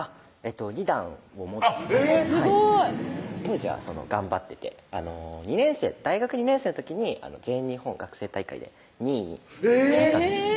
２段を持っていてすごい当時は頑張ってて大学２年生の時に全日本学生大会で２位になったんです